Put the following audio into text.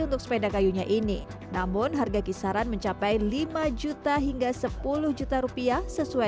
untuk sepeda kayunya ini namun harga kisaran mencapai lima juta hingga sepuluh juta rupiah sesuai